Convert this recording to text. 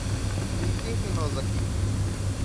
Bem quem tem nós aqui?